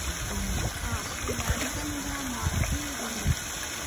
ښاخونه څنګه ماتیږي؟